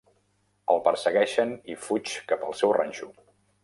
El persegueixen i fuig cap al seu ranxo.